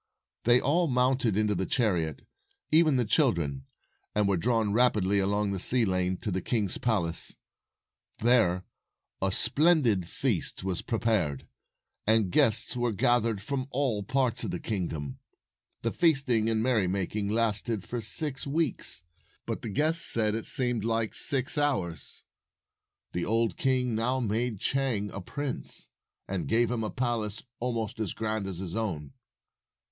They all mounted into the chariot — even the children — and were drawn rapidly along the sea lane to the king's palace. There a splendid feast was prepared, and guests were gathered from all parts of the king dom. The feasting and merrymaking lasted for 258 six weeks, but the guests said it seemed like six hours. The old king now made Chang a prince, and gave him a palace almost as grand as his own.